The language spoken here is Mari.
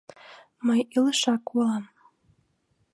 Мый илышак улам.